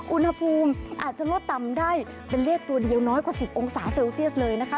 อุณหภูมิอาจจะลดต่ำได้เป็นเลขตัวเดียวน้อยกว่า๑๐องศาเซลเซียสเลยนะคะ